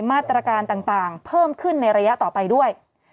มาตรการต่างเพิ่มขึ้นในระยะต่อไปด้วย